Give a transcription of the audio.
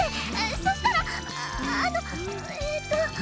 そしたらあのえと。